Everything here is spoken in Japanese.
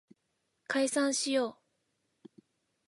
解散しよう